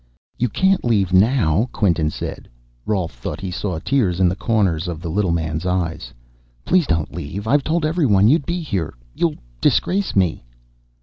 "You can't leave now," Quinton said. Rolf thought he saw tears in the corners of the little man's eyes. "Please don't leave. I've told everyone you'd be here you'll disgrace me."